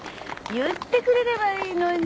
言ってくれればいいのに。